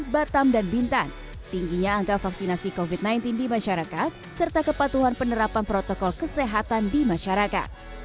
batam dan bintan tingginya angka vaksinasi covid sembilan belas di masyarakat serta kepatuhan penerapan protokol kesehatan di masyarakat